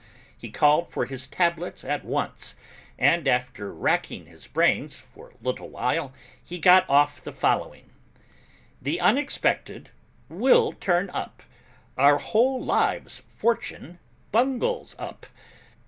He called for his tablets at once, and after racking his brains for a little while, he got off the following: The unexpected will turn up; Our whole lives Fortune bungles up.